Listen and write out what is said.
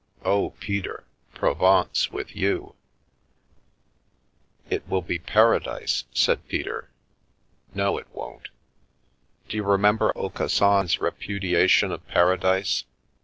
Oh, Peter — Provence with you !" "It will be Paradise," said Peter. "No, it won't. Do you remember Aucassin's repudiation of Paradise?